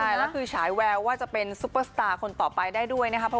ใช่แล้วคือฉายแววว่าจะเป็นซุปเปอร์สตาร์คนต่อไปได้ด้วยนะครับ